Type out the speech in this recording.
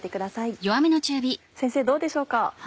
先生どうでしょうか？